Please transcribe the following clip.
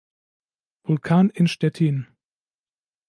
Vulcan in Stettin.